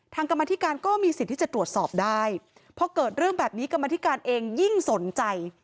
กรรมธิการก็มีสิทธิ์ที่จะตรวจสอบได้พอเกิดเรื่องแบบนี้กรรมธิการเองยิ่งสนใจ